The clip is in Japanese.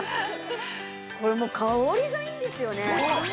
これ、もう香りがいいんですよね。